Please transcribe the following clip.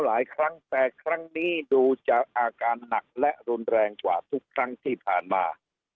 หลายครั้งแต่ครั้งนี้ดูจะอาการหนักและรุนแรงกว่าทุกครั้งที่ผ่านมา